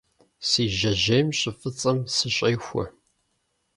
Си жьэжьейм щӀы фӀыцӀэм сыщӀехуэ.